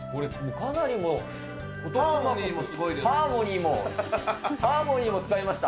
かなりもう、ハーモニーも、ハーモニーも使いました。